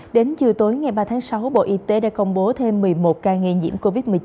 đến chiều tối ngày ba tháng sáu bộ y tế đã công bố thêm một mươi một ca nghi nhiễm covid một mươi chín